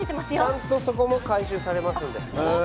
ちゃんとそこも回収されますので。